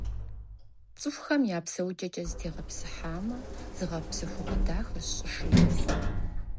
ЦӀыхухэм я псэукӀэкӀэ зэтегъэпсыхьамэ, зыгъэпсэхугъуэ дахэщ щӏышылэр.